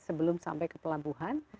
sebelum sampai ke pelabuhan